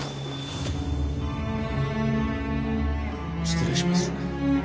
失礼します。